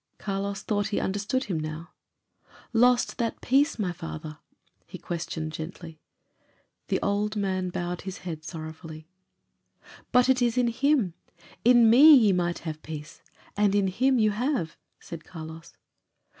Carlos thought he understood him now. "Lost that peace, my father?" he questioned gently. The old man bowed his head sorrowfully. "But it is in Him. 'In me ye might have peace.' And Him you have," said Carlos.